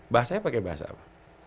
bahasanya pakai bahasa apa